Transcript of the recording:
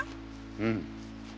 うん。